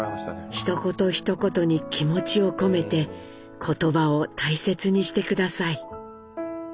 「一言一言に気持を込めて言葉を大切にして下さい」。